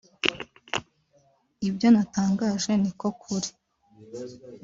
Ibyo natangaje niko kuri